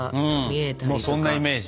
もうそんなイメージ。